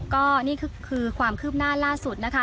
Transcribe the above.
ก็นี่คือความคืบหน้าล่าสุดนะคะ